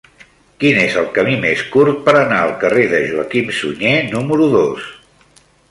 Quin és el camí més curt per anar al carrer de Joaquim Sunyer número dos?